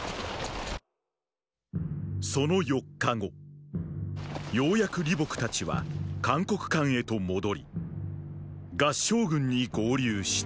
その四日後ーーようやく李牧たちは函谷関へと戻り合従軍に合流した。